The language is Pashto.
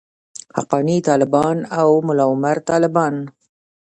حقاني طالبان او ملاعمر طالبان.